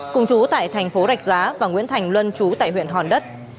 cùng chú tại thành phố rạch giá và nguyễn thành luân chú tại huyện hòn đất